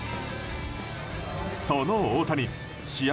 その大谷、試合